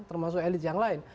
termasuk elit yang lain